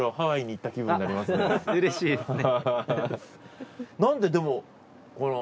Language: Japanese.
うれしいですね。